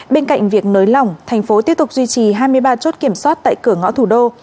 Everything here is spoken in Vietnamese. bên cạnh việc nới lỏng thành phố tiếp tục duy trì hai mươi ba chốt kiểm soát tại cửa ngõ thủ đô